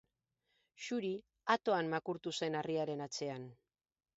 Xuri atoan makurtu zen harriaren atzean.